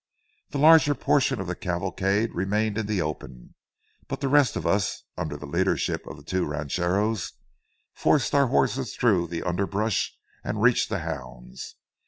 The larger portion of the cavalcade remained in the open, but the rest of us, under the leadership of the two rancheros, forced our horses through the underbrush and reached the hounds.